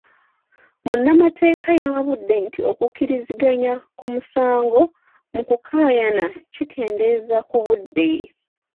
Munnamateeka yawabudde nti okukiriziganya ku musango mu kukkaanya kikendeeza ku budde.